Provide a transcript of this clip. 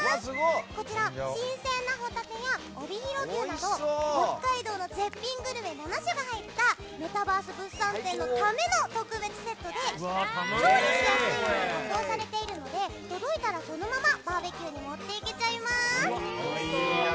こちら、新鮮なホタテや帯広牛など北海道の絶品グルメ７種が入った「メタバース物産展」のための特別セットで調理しやすいように加工されているので届いたらそのままバーベキューに持っていけちゃいます。